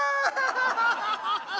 ハハハハハ！